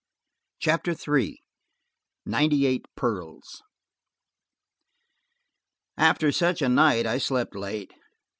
CHAPTER III NINETY EIGHT PEARLS AFTER such a night I slept late.